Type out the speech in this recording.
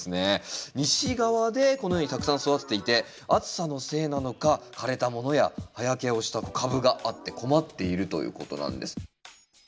西側でこのようにたくさん育てていて暑さのせいなのか枯れたものや葉焼けをした株があって困っているということなんです。